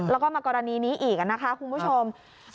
แล้วก็มากรณีนี้อีกนะคะคุณผู้ชม